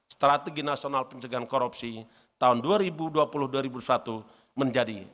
strategi nasional pencegahan korupsi tahun dua ribu dua puluh dua ribu satu menjadi